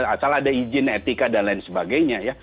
asal ada izin etika dan lain sebagainya ya